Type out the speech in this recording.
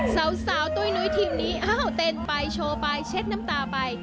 สาวตุ้ยนุ้ยทีมนี้อ้าวเต้นไปโชว์ไปเช็ดน้ำตาไป